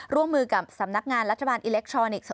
ร่วมมือกับสำนักงานรัฐบาลอิเล็กทรอนิกส์